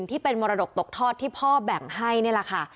ที่เป็นมรดกตกทอดที่พ่อแบ่งให้นี่แหละค่ะ